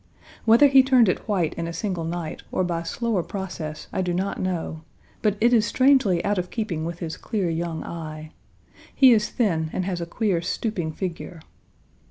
Whether he turned it white in a single night or by slower process I do not know, but it is strangely out of keeping with his clear young eye. He is thin, and has a queer stooping figure.